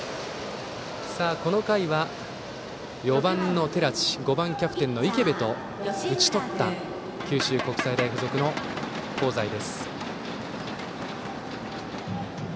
この回は、４番の寺地５番キャプテンの池邉と打ち取った九州国際大付属の香西です。